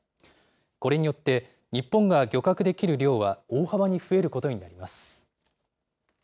これによって、日本が漁獲できる量は大幅に増えることになります。